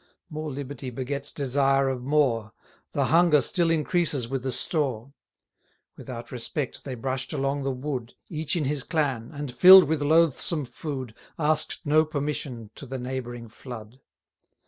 More liberty begets desire of more; The hunger still increases with the store. Without respect they brush'd along the wood, Each in his clan, and, fill'd with loathsome food, Ask'd no permission to the neighbouring flood.